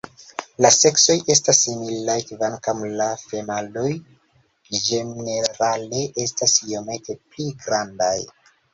La seksoj estas similaj kvankam la femaloj ĝenerale estas iomete pli grandaj.